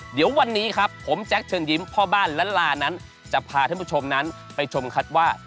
เดี๋ยววันนี้ครับผมแจ๊คเชิญยิ้มพ่อบ้านละลานั้นจะพาท่านผู้ชมนั้นไปชมคัดว่า